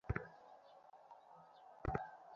বনী-ইসরাঈলগণ এ কারণে উরু-হাঁটুর মাংসপেশী খান না।